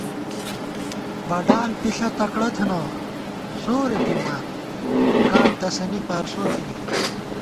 بڈال پِݪہ تکڑہ تھنہ زورے پِمان کاٹ تسَنی پارسو تھنی